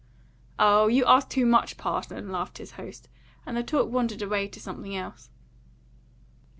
"Oh, you ask too much, parson," laughed his host, and the talk wandered away to something else.